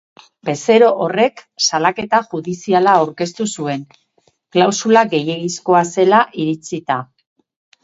Bezero horrek salaketa judiziala aurkeztu zuen, klausula gehiegizkoa zela iritzita.